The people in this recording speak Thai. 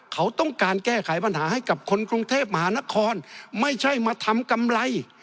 เขาต้องการแก้ไขปัญหาให้กับคนกรุงเทพมหานครไม่ใช่มาทำกำไร